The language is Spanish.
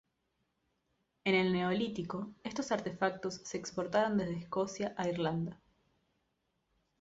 En el Neolítico estos artefactos se exportaron desde Escocia a Irlanda.